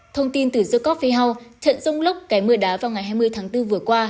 thông tin từ the coffee house thận rung lốc cái mưa đá vào ngày hai mươi tháng bốn vừa qua